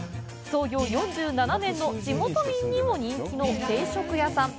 創業４７年の地元民にも人気の定食屋さん。